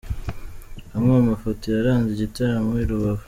Amwe mu mafoto yaranze igitaramo i Rubavu :.